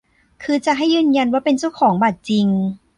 คือจะให้ยืนยันว่าเป็นเจ้าของบัตรจริง